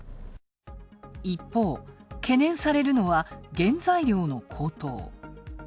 一方、懸念されるのは原材料の高騰。